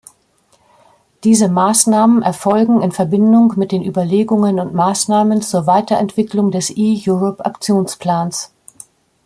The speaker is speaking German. Diese Maßnahmen erfolgen in Verbindung mit den Überlegungen und Maßnahmen zur Weiterentwicklung des eEurope-Aktionsplans.